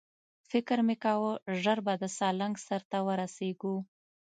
فکر مې کاوه ژر به د سالنګ سر ته ورسېږو.